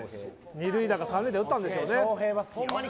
２塁打か３塁打を打ったんでしょうね。